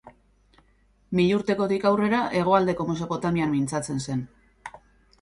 Milurtekotik aurrera hegoaldeko Mesopotamian mintzatzen zen.